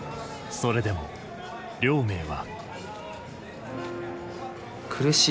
それでも亮明は。